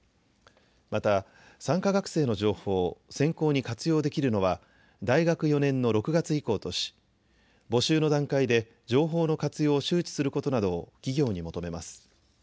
また参加学生の情報を選考に活用できるのは大学４年の６月以降とし募集の段階で情報の活用を周知することなどを企業に求めます。